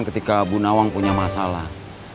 ketika bu nawang punya masalah